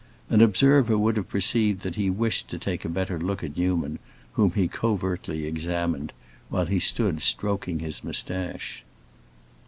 An observer would have perceived that he wished to take a better look at Newman, whom he covertly examined, while he stood stroking his moustache.